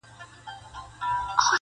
کوم ظالم چي مي غمی را څه پټ کړی,